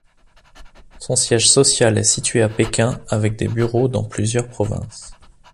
Son siège social est situé à Pékin, avec des bureaux dans plusieurs provinces.